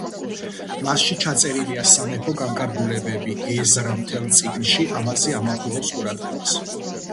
მასში ჩაწერილია სამეფო განკარგულებები, ეზრა მთელ წიგნში ამაზე ამახვილებს ყურადღებას.